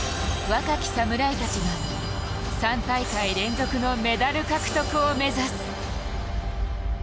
若き侍たちが３大会連続のメダル獲得を目指す。